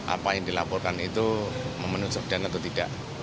apa yang dilaporkan itu memenuhi subdan atau tidak